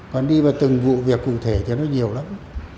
còn đi vào từng vụ việc cụ thể thì nó nhiều lắm